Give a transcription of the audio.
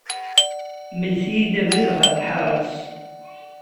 Mlet-iyi-d abrid ɣer lḥaṛa-s.